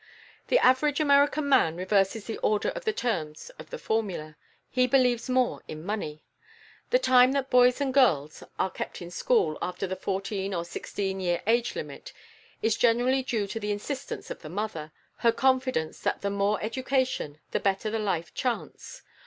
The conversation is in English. The average American man reverses the order of the terms in the formula. He believes more in money. The time that boys and girls are kept in school after the fourteen or sixteen year age limit is generally due to the insistence of the mother, her confidence that the more education, the better the life chance.